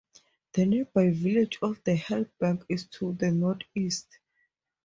The nearby village of Halebank is to the north-east.